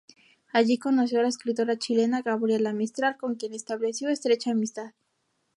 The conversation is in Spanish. Allí conoció a la escritora chilena Gabriela Mistral, con quien estableció estrecha amistad.